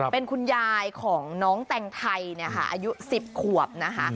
เป็นคุณยายของน้องแต่งไทยอายุ๑๐ขวบนะคะ